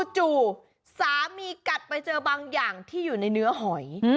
จู่สามีกัดไปเจอบางอย่างที่อยู่ในเนื้อหอย